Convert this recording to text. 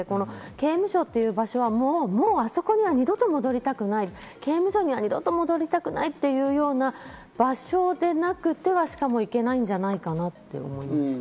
刑務所という場所はもうあそこには二度と戻りたくない、刑務所には戻りたくないというような場所でなくてはいけないんじゃないかなって思いました。